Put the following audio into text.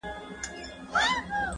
يوه بوډا په ساندو- ساندو ژړل-